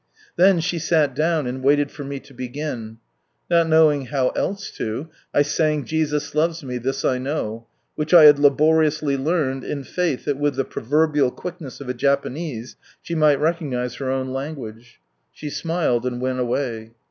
Then she sat down, and waited for me lo begin. Not knowing how else to, I sang "Jesus loves me, this I know," which I had laboriously learned, in faith that with the proverbial quickness of a Japanese, she might recognise her own language ; she smiled and went away.